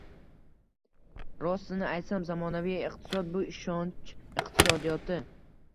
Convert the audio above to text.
Rostini aytsam, zamonaviy iqtisod - bu ishonch iqtisodiyoti